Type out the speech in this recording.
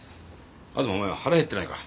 東お前腹減ってないか？